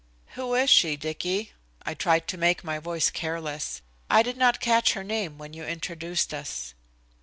"Who is she, Dicky?" I tried to make my voice careless. "I did not catch her name when you introduced us."